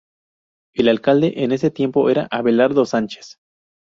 El alcalde en ese tiempo era Abelardo Sánchez.